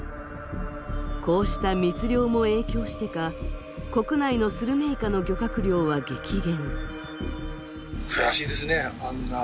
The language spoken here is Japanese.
こうした密漁も影響してか、国内のスルメイカの漁獲量は激減。